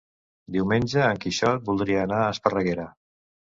Diumenge en Quixot voldria anar a Esparreguera.